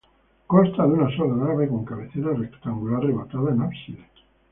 Consta de una sola nave con cabecera rectangular rematada en ábside.